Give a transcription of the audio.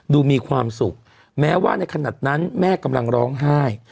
ดูมีความสุขแม้ว่าในขณะนั้นแม่กำลังร้องไห้